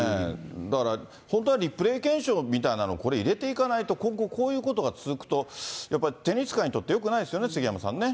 だから、本当はリプレー検証みたいなの、これ、入れていかないと、今後こういうことが続くと、やっぱりテニス界にとってよくないですよね、杉山さんね。